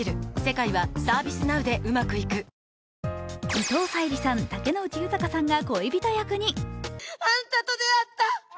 伊藤沙莉さん、竹野内豊さんが恋人役に。